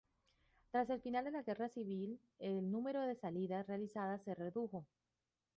Tras el final de la guerra civil, el número de salidas realizadas se redujo.